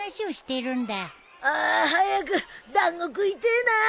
あ早く団子食いてえな。